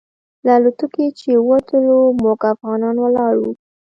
له الوتکې چې ووتلو موږ افغانان ولاړ وو.